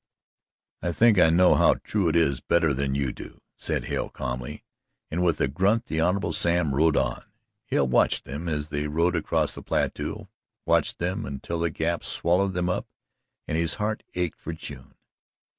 "I think I know how true it is better than you do," said Hale calmly, and with a grunt the Hon. Sam rode on. Hale watched them as they rode across the plateau watched them until the Gap swallowed them up and his heart ached for June.